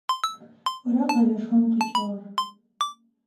Ора къэлэшхом къикӏыгъэр?